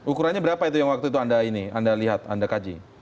ukurannya berapa itu yang waktu itu anda ini anda lihat anda kaji